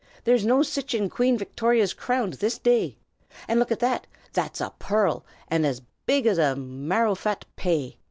There's no sich in Queen Victory's crownd this day. And look a' that! That's a pearrl, an' as big as a marrowfat pay.